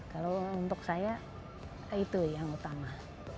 kalau untuk saya itu yang utama